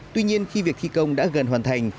tuy nhiên khi việc thi công đã gần hoàn thành